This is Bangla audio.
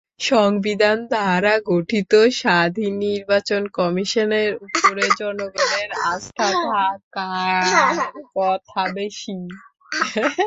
সংবিধান দ্বারা গঠিত স্বাধীন নির্বাচন কমিশনের ওপরে জনগণের আস্থা থাকার কথা বেশি।